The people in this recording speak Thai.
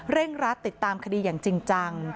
รัดติดตามคดีอย่างจริงจัง